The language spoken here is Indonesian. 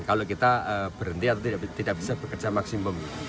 kalau kita berhenti atau tidak bisa bekerja maksimum